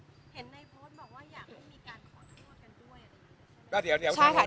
เห็นในโพสต์บอกว่าอยากให้มีการขอโทษกันด้วยอะไรอย่างนี้